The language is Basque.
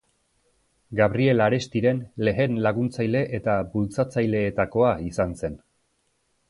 Gabriel Arestiren lehen laguntzaile eta bultzatzaileetakoa izan zen.